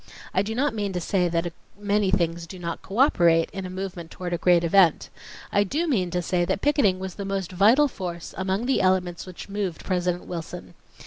I do not mean to say that many things do not cooperate in a movement toward a great event. I do mean to say that picketing was the most vital force amongst the elements which moved President Wilson.